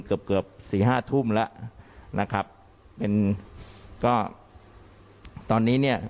เกือบเกือบสี่ห้าทุ่มแล้วนะครับเป็นก็ตอนนี้เนี่ย